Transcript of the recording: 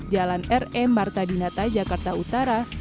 jalan re marta dinata jakarta utara